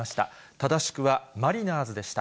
正しくはマリナーズでした。